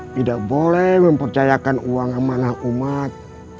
tidak boleh mempercayakan uang amanah umat